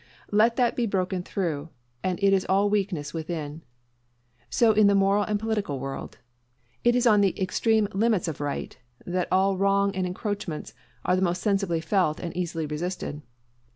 Let that be broken through, and it is all weakness within. So in the moral and political world. It is on the extreme limits of right that all wrong and encroachments are the most sensibly felt and easily resisted.